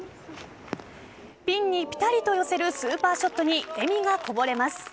ピンにぴたりと寄せるスーパーショットに笑みがこぼれます。